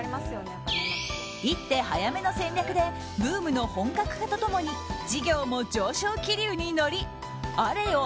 一手早めの戦略でブームの本格化と共に事業も上昇気流に乗りあれよ